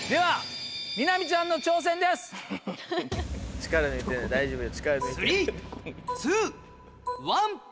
力抜いてね大丈夫よ。